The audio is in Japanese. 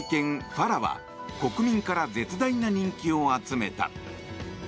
ファラは国民から絶大な人気を集めた。